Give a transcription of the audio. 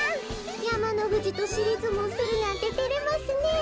やまのふじとしりずもうするなんててれますねえ。